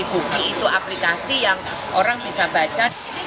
bukti itu aplikasi yang orang bisa baca